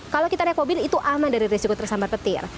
kalau kita naik mobil itu aman dari risiko tersambar petir